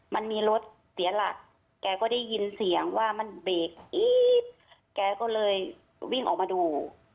มันมีรถเสียหลักแกก็ได้ยินเสียงว่ามันเบรกอี๊ดแกก็เลยวิ่งออกมาดู